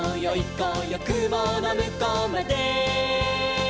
こうよくものむこうまで」